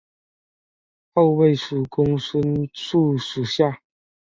后为蜀公孙述属下。